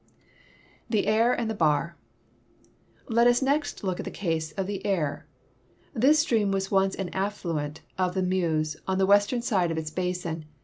The Aire and the Bar. — Let us next look at tlie case of the Aire. Tins stream was once an affluent of the Meuse on the we.stern side, of its basin.